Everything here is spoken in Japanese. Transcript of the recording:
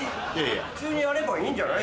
普通にやればいいんじゃないんですかね？